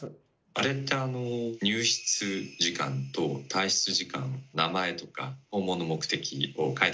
あれって入室時間と退室時間名前とか訪問の目的を書いたりしますよね。